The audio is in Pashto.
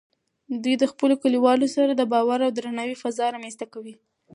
دوی د خپلو کلیوالو سره د باور او درناوي فضا رامینځته کوي.